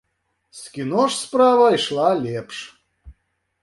З кіно ж справа ішла лепш.